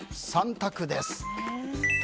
３択です。